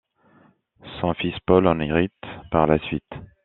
Son fils Paul en hérite par la suite.